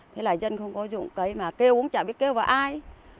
thế là dân không có dụng cái mà kêu cũng chả biết kêu vào ai